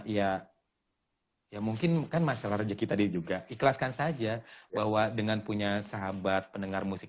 ya ya mungkin kan masalah rezeki tadi juga ikhlaskan saja bahwa dengan punya sahabat pendengar musik